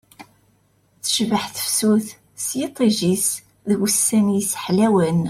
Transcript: Tecbeḥ tefsut s yiṭij-is d wussan-is ḥlawen